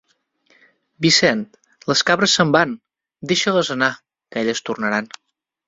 Vicent, les cabres se’n van! Deixa-les anar, que elles tornaran.